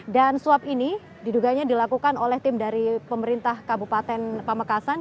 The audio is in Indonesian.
dan swap ini diduganya dilakukan oleh tim dari pemerintah kabupaten pamekasan